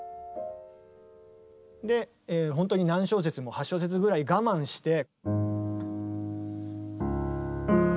で本当に何小節も８小節ぐらい我慢して。